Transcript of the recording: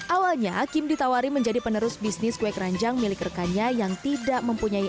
awalnya kim ditawari menjadi penerus bisnis kue keranjang milik rekannya yang tidak mempunyai